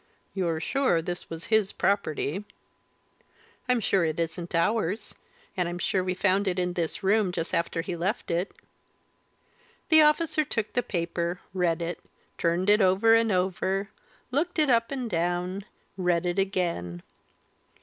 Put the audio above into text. "You're sure this was his property?" "I'm sure it isn't ours, and I'm sure we found it in this room just after he left it." The officer took the paper; read it, turned it over and over; looked it up and down; read it again.